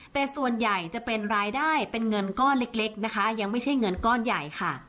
แต่ส่วนใหญ่จะเป็นรายได้เป็นเงินก้อนเล็กนะคะยังไม่ใช่เงินก้อนใหญ่ค่ะ